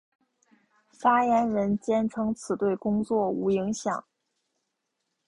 发言人坚称此对工作无影响。